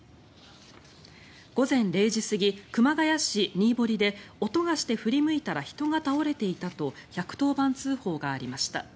午前０時過ぎ、熊谷市新堀で音がして、振り向いたら人が倒れていたと１１０番通報がありました。